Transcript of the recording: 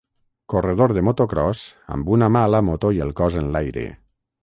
Corredor de motocròs amb una mà a la moto i el cos enlaire.